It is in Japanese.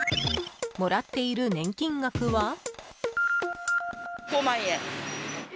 もらっている年金額は？